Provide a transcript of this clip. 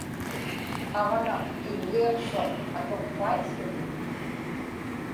aġnaq iggiiqsuq atuqpaił̣ł̣uni